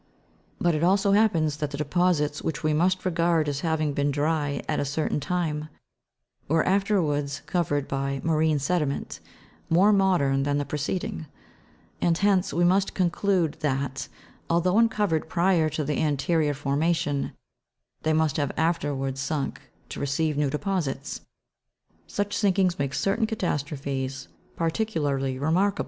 But it also happens that the deposits which we must regard as having been dry at a certain time, were afterwards covered by marine sediment, more modern than the preceding ; and hence we must conclude that, although uncovered prior to the anterior formation, they must have afterwards sunk to receive new deposits : such sinkings make certain catas trophes particularly remarkable.